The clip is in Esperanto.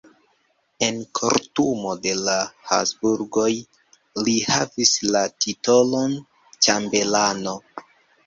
En kortumo de la Habsburgoj li havis la titolon ĉambelano.